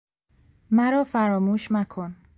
مرافراموش مکن